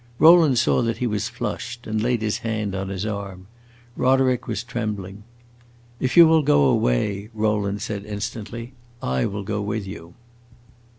Rowland saw that he was flushed, and laid his hand on his arm. Roderick was trembling. "If you will go away," Rowland said instantly, "I will go with you."